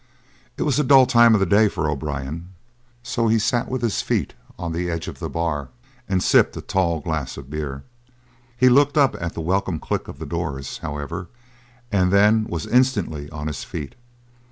It was a dull time of day for O'Brien, so he sat with his feet on the edge of the bar and sipped a tall glass of beer; he looked up at the welcome click of the doors, however, and then was instantly on his feet.